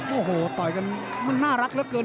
โอ้โหต่อยกันมันน่ารักเหลือเกิน